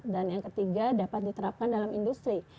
dan yang ketiga dapat diterapkan dalam industri